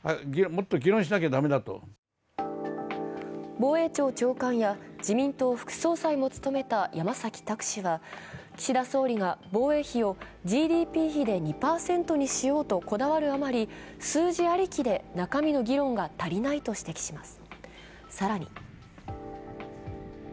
防衛庁長官や自民党副総裁も務めた山崎拓氏は岸田総理が防衛費をＧＤＰ比で２％にしようとこだわるあまり、数字ありきで中身の議論が足りないと指摘します。